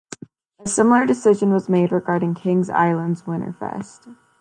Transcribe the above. A similar decision was made regarding Kings Island's Winterfest.